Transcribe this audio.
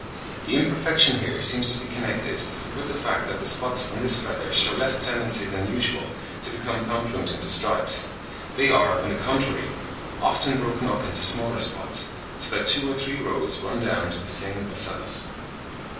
The imperfection here seems to be connected with the fact that the spots on this feather shew less tendency than usual to become confluent into stripes; they are, on the contrary, often broken up into smaller spots, so that two or three rows run down to the same ocellus.